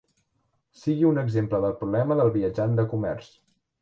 Sigui un exemple del problema del viatjant de comerç.